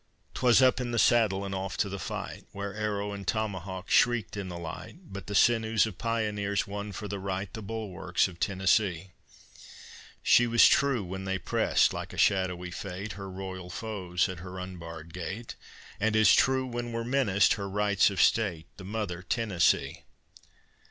'Twas up in the saddle and off to the fight, Where arrow and tomahawk shrieked in the light; But the sinews of pioneers won for the right, The bulwarks of Tennessee. She was true when they pressed like a shadowy fate, Her royal foes at her unbarred gate, And as true when were menaced her Rights of State, The mother, Tennessee.